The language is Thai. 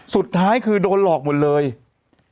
สุดท้ายคือโดนหลอกหมดเลย